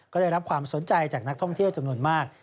ก็ได้รับความสนใจจากนักท่องเที่ยวจำนวนมาก